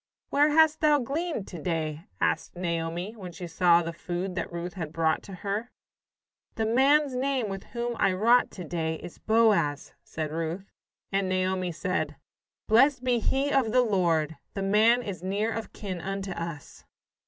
"Where hast thou gleaned to day?" asked Naomi, when she saw the food that Ruth had brought to her. "The man's name with whom I wrought to day is Boaz," said Ruth. And Naomi said: "Blessed be he of the Lord the man is near of kin unto us."